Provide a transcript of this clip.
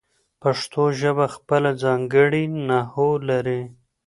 پښتو ژبه خپله ځانګړې نحو لري.